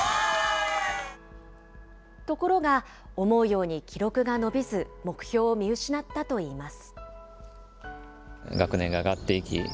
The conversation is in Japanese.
ところが、思うように記録が伸びず、目標を見失ったといいます。